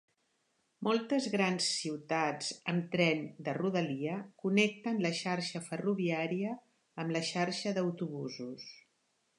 Moltes grans ciutats amb tren de rodalia connecten la xarxa ferroviària amb la xarxa d'autobusos.